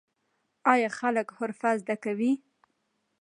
آیا خلک حرفه زده کوي؟